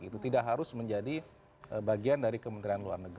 tidak harus menjadi bagian dari kementerian luar negeri